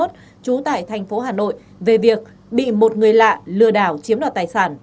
trú tại thành phố hà nội về việc bị một người lạ lừa đảo chiếm đoạt tài sản